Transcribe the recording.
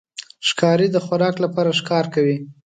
ښکاري د خوراک لپاره ښکار کوي.